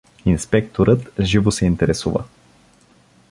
Инспекторът живо се интересува.